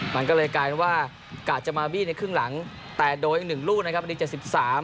มันก็เลยกลายเป็นว่ากากจะมาบี้ในครึ่งหลังแต่โดยอีก๑ลูกนะครับอันนี้๗๓